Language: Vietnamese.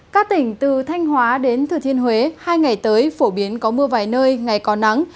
các tỉnh từ thanh hóa đến thừa thiên huế hai ngày tới phổ biến có mưa vài nơi ngày có nắng